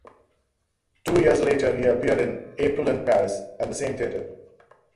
Two years later he appeared in "April in Paris" at the same theatre.